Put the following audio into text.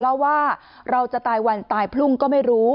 เราก็ติดว่าเราจะตายวันตายพรุงก็ไม่รู้